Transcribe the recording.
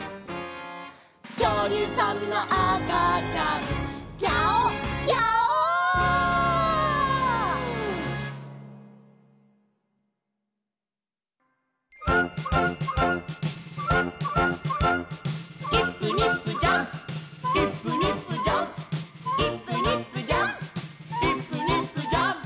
「きょうりゅうさんのあかちゃんギャオギャオ」「イップニップジャンプイップニップジャンプ」「イップニップジャンプイップニップジャンプ」